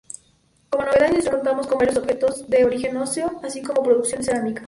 Como novedad industrial contamos con varios objetos de origen óseo, así como producción cerámica.